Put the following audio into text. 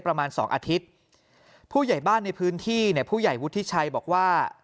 ประมาณสองอาทิตย์ผู้ใหญ่บ้านในพื้นที่เนี่ยผู้ใหญ่วุฒิชัยบอกว่า